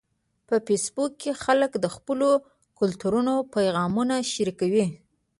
په فېسبوک کې خلک د خپلو کلتورونو پیغامونه شریکوي